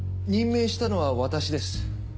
任命したのは私です。